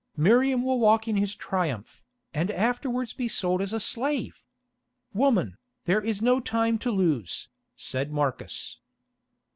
"Miriam will walk in his Triumph, and afterwards be sold as a slave! Woman, there is no time to lose," said Marcus.